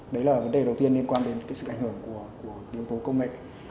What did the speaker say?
đấy là vấn đề đầu tiên liên quan đến cái sự ảnh hưởng của yếu tố công nghệ